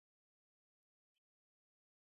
په افغانستان کې د نمک تاریخ اوږد دی.